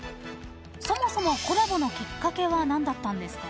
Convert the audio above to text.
［そもそもコラボのきっかけは何だったんですか？］